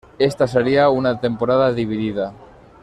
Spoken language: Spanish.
Esta sería una temporada dividida.